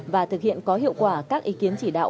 và thực hiện có hiệu quả các ý kiến chỉ đạo